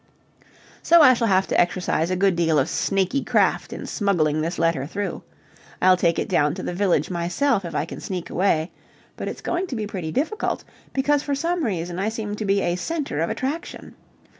So I shall have to exercise a good deal of snaky craft in smuggling this letter through. I'll take it down to the village myself if I can sneak away. But it's going to be pretty difficult, because for some reason I seem to be a centre of attraction.